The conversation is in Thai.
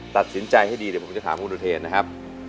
ตัดสินใจให้ดีเดี๋ยวผมจะถามคุณอุเทนนะครับ